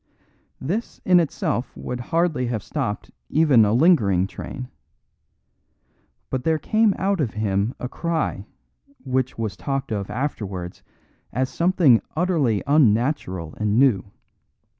This in itself would hardly have stopped even a lingering train. But there came out of him a cry which was talked of afterwards as something utterly unnatural and new.